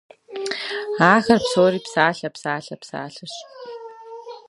Это всё фразы, фразы и фразы!